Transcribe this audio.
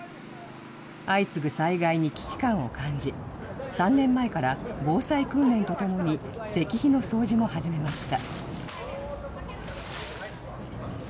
相次ぐ災害に危機感を感じ、３年前から防災訓練とともに石碑の掃除も始めました。